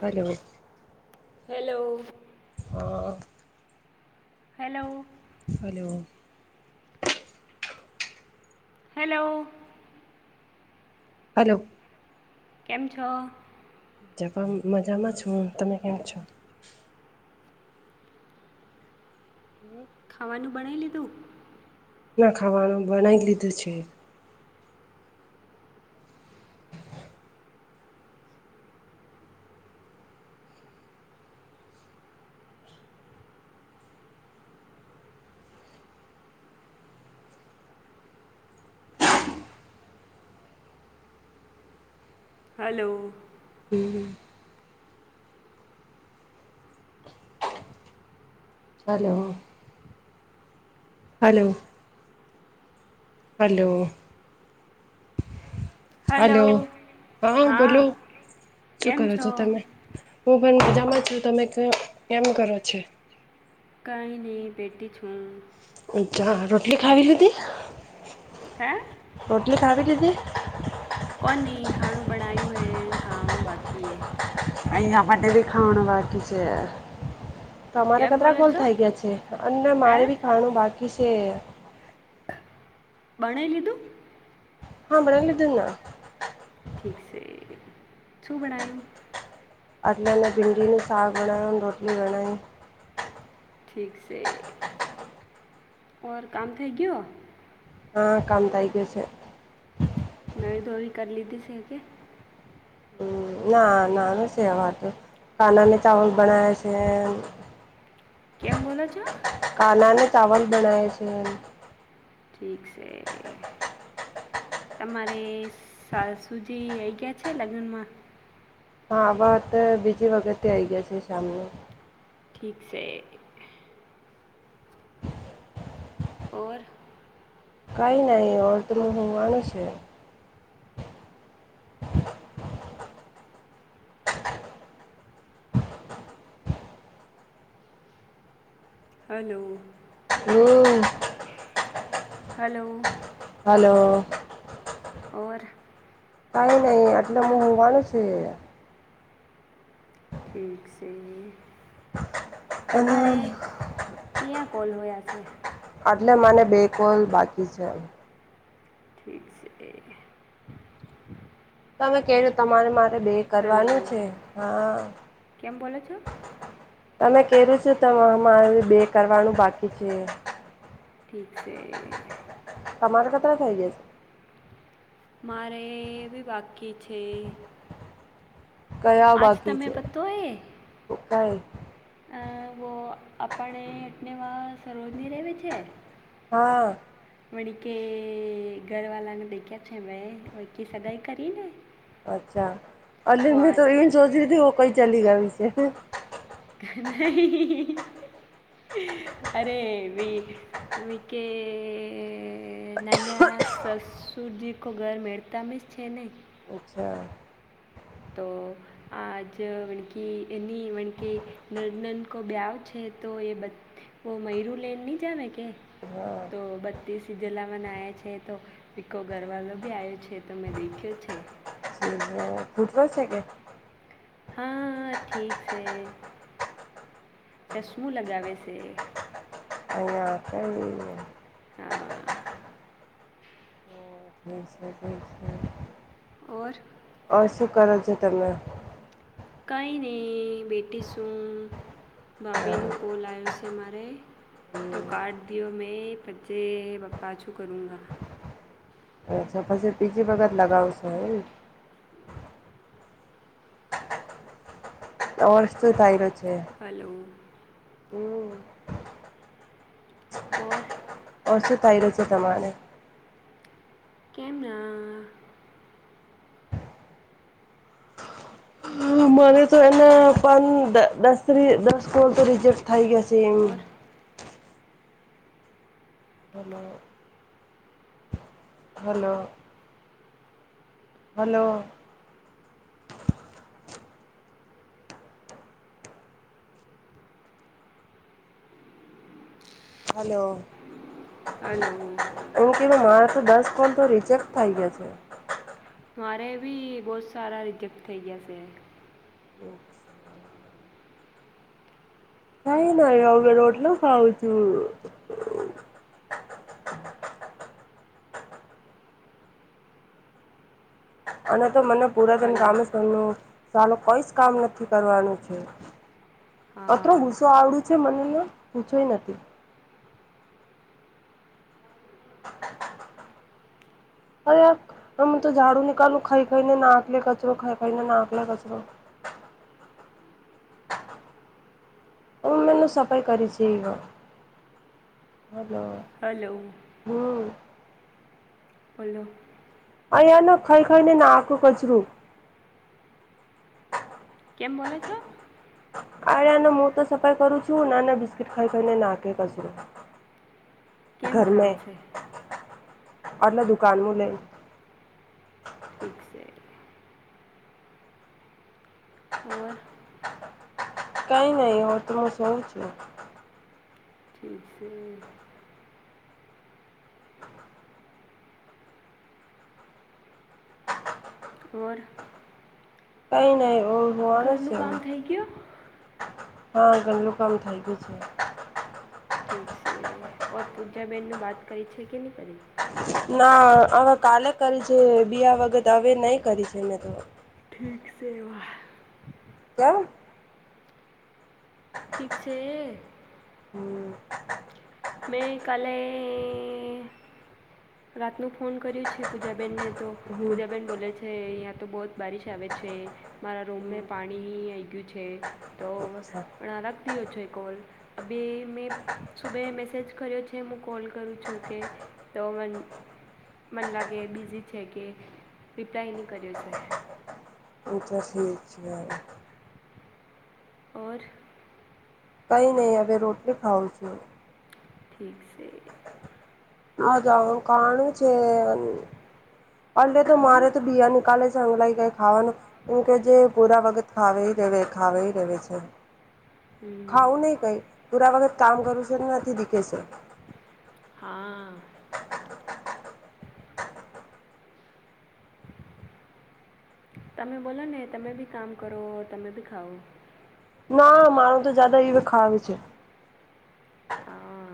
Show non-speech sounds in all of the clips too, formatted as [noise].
હ hello. Hello. હું hello hello hello hello કેમ છો? જ મજામાં છું તમે કેમ છો? [inaudible] ખાવાનું બણાવ લીધું ના ખાવાનું બનાવી લીધું છે હલો હમ હમ ચાલ હ હલો હલોો હલો હા બોલો શું કરો છો તમે હું પણ મજામાં છું તમે કેમ કરો છે કાં નહી ભેટ્ટી છું અચ્છા રોટલી ખાવીલીીધી હે રોટલી ખાવી દીધી કોનેહી ખાણું બણાયું હૈ ખાવાણું બાકી એ અહીયા ભાડે ભ ખણ બાકી છે તો અમારે કેમ કચરા બોલો ખોલ છો થઈ ગયા છે અને હે મારે બી ખાનું બાકી છે બણાઈ લીધું હા બરા લ દ ના ઠીક છે શું બનાાય આટલા અને ભિંડીને સાવ વણાય અને રોટલી ઘણાાય ઠીક છે ઓ કામ થ ગયો હા કામ થાય ગ છે નવી ધોવી કરી લીધી છે કે હ ના ના ન સવાતું કાના ને ચાવલ બનાવે છે [inaudible] કેમ બોલો છો કાના ને ચાવલ બનાવે છે એમ ઠીક છે તમારે સૂજી આવી ગયા છે લગ્નમાં હા વાત બીજી વખતે આ આવી ગયા છે શમને ઠીક છે હોર કાઈ નહી ઓળતરું હું માનું છ [inaudible] હલો હમ હલો હલો ઓર કઈ નહીિ આટલે મોંઘવાનું છે ઠીક છે અને તમારે ક્યાં કોૉલ હોયાસ એટલે મને બેકોલ બાકી છે ઠીક છે એ તમે કે તમારે મારે બે છે હલો કરવાનું છે હા કેમ બોલો છો તમે કેું છો ત અરે બે કરવાનું બાકી છે ઠીક છે તમારે કેટલા થઈ ગયા છે મારેબી બાકી છે કયા આજ બાકી તમે છે પતો એ કઈ અ વો આપણે અટનેવા સરોજની રહેવી છે હા વણ કે ઘર વાલાને દેખ્યા છે ભાઈ વ સગાઈ કરી ને અચ્છા અ મેં તો એ શોધધી કઈ ચાલી ગયા છે નહી અરે ભી વ કે નાના સસુરજી ખ ઘર મેતા મીશ છેનાઈ અચ્છા તો તો આજ વણકી એની વણકી નનનકો બ્યાવ છે તો એ બ મયર લેન ની જામે કે હા તો બતીસ જલાવન આયા છે તો પકો ઘરવાલો બી આવ્યો છે તમે દેખ્યો છે ફૂટતો છે કે હા ઠીક છે ચશ્મું લગાવે છે અયા ક હા છે ઓર ઓ શું કરો છો તમે કાંઈ નહી બેટી શું ભાભીનો કોલ આવ્યો છે મારે તો કાઢ દ્યો મેં પ્ચે પપ્પા છું કરુંંગા અછા પછી બીજી બગત લગાવ છોય વસ્તુ થાયલો છે હલો હમ ઓર ઓ શું તઈરો છે તમાને કેમના મને તો એના પા દસ દસ કોલ તો રિજેક્ટ થઈ ગયા છે એમ ઓર hello hello hello hello hello એ કીધું મારે તો દસ કોલ તો રિજેક્ટ થઇ ગયા છે તમારે ભી બહુ સારા રિજેક્ટ થૈ ગયા છે અચ્છા નઈ ન હવે રોટલો ખાઉં છું અને તો મને પુરાતન હલો કામ જ સું કોઈ જ કામ નથી કરવાનું છે અત્ર હા ગુસ્સો આવડું જે મનેનો પૂછોય નથી અરે યાર જાડુ નીકળું ખાઈ ખાઈને નાખલે કચરો ખાઈ ખાઈને નાખલે કચરો તમેનું સફાઈ કરી છે, હલો હલો. હમ્મ બોલો અહીયા ન ખૈઈ ખઈ નને નાખુ આકો કચરું [unintelligible] કેમ બોલો છો? આળિયાનો હું તો સફાઈ કરું છું, નાના બિસ્કીટ ખાઈ ખાઈને નાખ કસરો કેમ ઘર મે ખાવે છે અટલે દુકાનવું લે ઠીક છે. ઓર. કઈ નહી હો તમે શું [inaudible] થિક છે. ઓર. કઈ નહી ઓર [inaudible] ઘરનું [inaudible] હા, ઘરનું કામ થઈ ગયું છે. ઠીક છે ઓર પૂજા બેહેનનું વાત કરે છે કે ન કરી? ના હવે કાલે કરી છે, બીયા વગત હવે નહી કરી છે મેં તો ઠીક છે [inaudible] [inaudible] ઠીક છે. હમ મે કાલે, રાતનો ફોન કર્યું છે પૂજાબેનને તો હમ પૂજાબેન બોલે છે. છે અહીંયા તો બહુ જ [inaudible] આવે છે મારા રૂમમાં પાણી આવી ગયું છે. તો પણ લગથી ઓછો એ કોલ આ બે મેં સુબે મેસેજ કર્યો છે, હું કોલ કરું છું કે તો મ મન લાગે બીઝી છે કે રિપ્લાય નહીં કર્યો છે. એ તો સી છીએ [inaudible] ઓર. કઈ નહી હવે રોટલી ખાવં છું. ઠીક છે. હ જા કણું છે અ તો હમ મારે તો બીયા નિકાલે ચંગલાય [inaudible] ખાવાનું એમ કે જે પૂરા વખત ખાવ ર ખાવ રહે છે. હમ્મ. ખાવું ન કઈ પુરા વગત કામ કરું છે નથી દીખે છે. હા‌ તમે બોલો ને તમે ભી કામ કરો તમે ભી ખાાવઓ, ના માણું તો જદા એ વ ખરાવ છે, હા,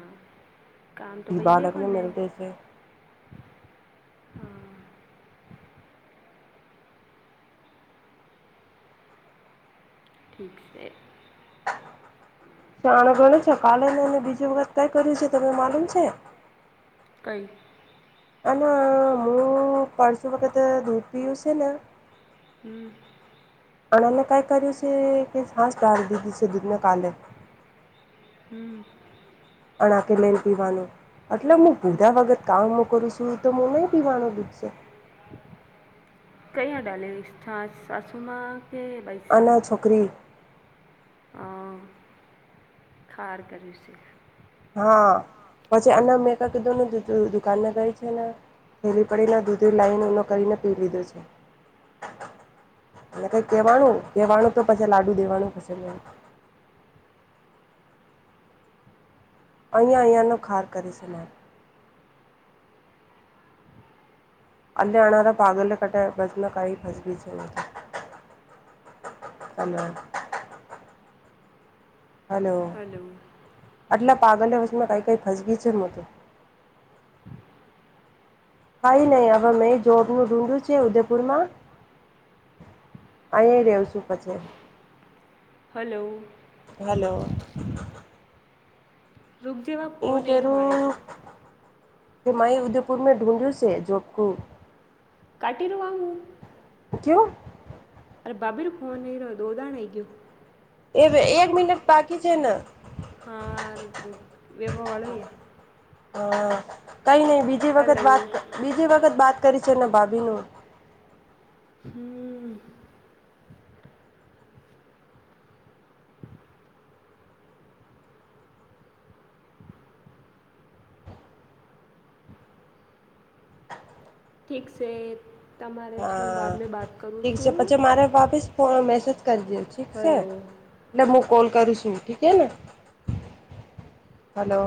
કામ તો ધી કઈએ બાળકને કોને મિલતે છે હા ઠીક છે. શાણો ગણ છેો કાલે ને અને બીજી વખત કઈ કર્યું છે તમે માલુમ છે. કઈ. અને ના હું પાનસો વખત દૂધ પીવ છે ને, હમ્મ અને એને કઈ કર્યું છે કે હસ ડાળ દીધી છે દૂધને કાલે હમ્મ, અણાકે મેણ પીવાનું એટલે હું બુધા વગત કામ કરું છું તો નહી પીવાનું દુઃખશે કયા ડાલે છાસ સાસુમાં કે? બૈસા અના છોકરી થઠાર કર્યું છે. હા પછી અન્ન મેકપ કીધું ન દુકાનને ગઈ છે ને થેલી પડીને દૂધી લાઈન નો કરીને પી લીધો છે [inaudible] એ કઈ કેવાનું કેવાનું તો પછી લાડુ દેવાનું પછી અહીંયા અહીંયાનો ખાર કરે છે મારે અ આવરા ભાગલે કટા બસમાં કઈ ફસગી છે ને હ હલો આટલે પાગલ વષમાં કંઈ કઈ ફસગી છે ને મ તોું કઈ નહી હવે મેં જોબનું ઢુંઢું છે ઉદેપુર માં અહી રવ છું પછી હલો હલો રોગ જેવા એ ફોન નહીં રહ્યો મારે કેું હિમાહી ઉદયપુર મે ઢુંઢ્યું છે જો આપ કાટી રવા હું કુ અરે ભાભી રું ફોન નઈ રહ્યો દોધણ આઈ ગયયો એ એક મિનટ બાકી છે ને હા રૂબરૂ વેપવા વાળોય હા કઈ નઈ બીજી વખત હલો વાત બીજી વખત વાત કરી છે ને ભાભી નું હમ ઠીક છે તમારે છું હા બાદ મેં બાત કરું ઠીક છે છું પછી મારે વાપીસ ફ મેસેજ કરીજે ઠીક છે હલો એટલે હું કોલ કરું છું ઠીકે ને હલો